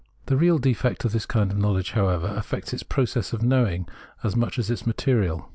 The real defect of this kind of knowledge, however, affects its process of knowing as much as its material.